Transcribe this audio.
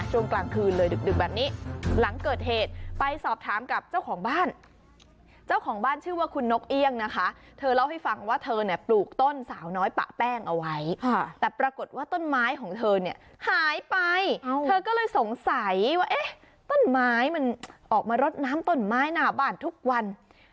หายไปเธอก็เลยสงสัยว่าต้นไม้มันออกมารดน้ำต้นไม้หน้าบ้านทุกวัน